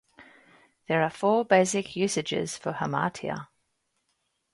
There are four basic usages for "hamartia".